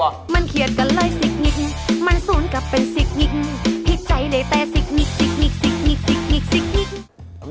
หาสิงหิกบอก